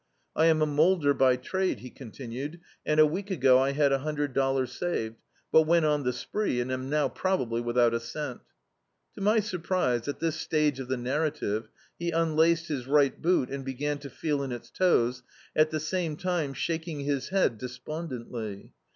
I am a moulder by trade," he ccoitinued, "and a week ago I had a hundred dollars saved, but went on the spree, and am now probably without a ccnL" To my surprise, at this stage of the narrative, he unlaced his right boot and began to feel in its toes, at the same time shaking his head despondently.